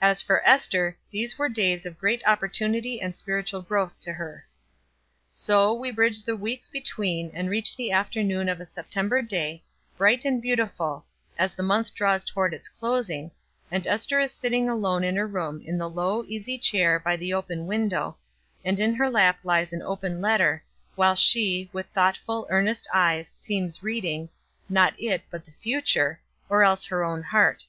As for Ester, these were days of great opportunity and spiritual growth to her. So we bridge the weeks between and reach the afternoon of a September day, bright and beautiful, as the month draws toward its closing; and Ester is sitting alone in her room in the low, easy chair by the open window, and in her lap lies an open letter, while she, with thoughtful, earnest eyes seems reading, not it, but the future, or else her own heart.